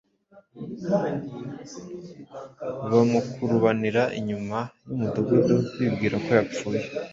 bamukurubanira inyuma y’umudugudu, bibwira ko yapfuye.”